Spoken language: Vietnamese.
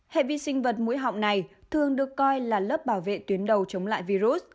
hệ vi sinh vật mũi họng này thường được coi là lớp bảo vệ tuyến đầu chống lại virus